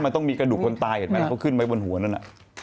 มันต้องมีกระดูกคนตายเห็นไหมล่ะเขาขึ้นไว้บนหัวนั่นน่ะ